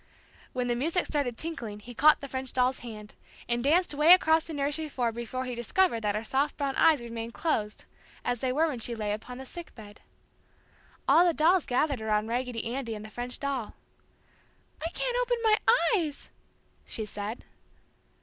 When the music started tinkling he caught the French doll's hand, and danced 'way across the nursery floor before he discovered that her soft brown eyes remained closed as they were when she lay upon the "sick" bed. All the dolls gathered around Raggedy Andy and the French doll. "I can't open my eyes!" she said.